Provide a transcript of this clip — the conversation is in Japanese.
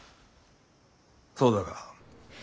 そうだが。